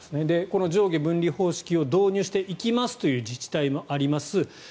この上下分離方式を導入していきますという自治体もあります。